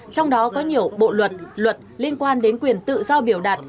trong đó có nhiều bộ luật luật liên quan đến quyền tự do biểu đạt